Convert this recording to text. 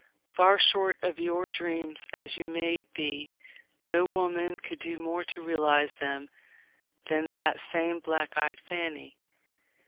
Far short of your dreams as you may be, no woman could do more to realize them than that same black eyed Fanny.